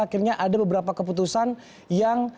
akhirnya ada beberapa keputusan yang